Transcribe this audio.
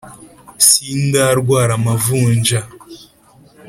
Sindarwara amavunja